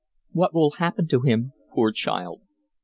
"What will happen to him, poor child?"